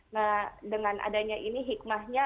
nah dengan adanya ini hikmahnya